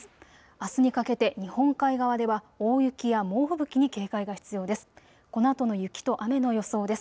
あすにかけて日本海側では大雪や猛吹雪に警戒が必要です。